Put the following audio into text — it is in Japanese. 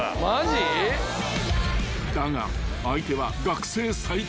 ［だが相手は］